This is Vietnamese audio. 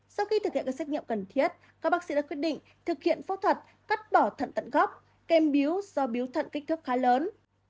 sau khi thực hiện các xét nghiệm cần thiết các bác sĩ đã quyết định thực hiện phẫu thuật cắt bỏ thận tận góc kèm bíu do bíu thận kích thức khá lớn